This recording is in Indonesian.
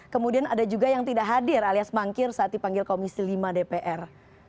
kemudian ada juga yang tidak hadir alias mangkir saat dipanggil komisi lima dpr